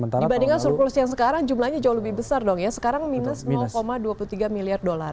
dibandingkan surplus yang sekarang jumlahnya jauh lebih besar dong ya sekarang minus dua puluh tiga miliar dolar